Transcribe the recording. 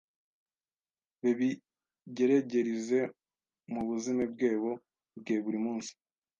Bebigeregerize mu buzime bwebo bwe buri munsi